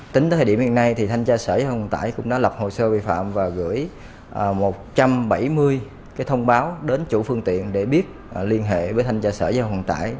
tính tới thời điểm hiện nay thì thanh tra sở thông tải cũng đã lập hồ sơ vi phạm và gửi một trăm bảy mươi thông báo đến chủ phương tiện để biết liên hệ với thanh tra sở giao thông tải